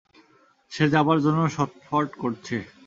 সে যাবার জন্য ছটফট করছে।